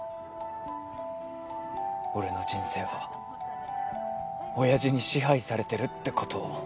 俺の人生は親父に支配されてるってことを。